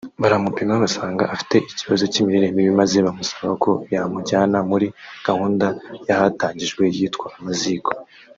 baramupima basanga afite ikibazo cy’imirire mibi maze bamusaba ko yamujyana muri gahunda yahatangijwe yitwa “Amaziko”